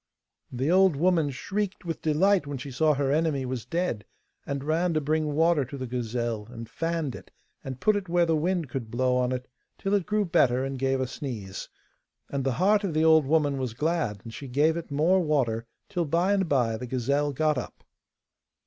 The old woman shrieked with delight when she saw her enemy was dead, and ran to bring water to the gazelle, and fanned it, and put it where the wind could blow on it, till it grew better and gave a sneeze. And the heart of the old woman was glad, and she gave it more water, till by and by the gazelle got up.